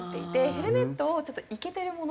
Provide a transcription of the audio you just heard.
ヘルメットをちょっとイケてるもの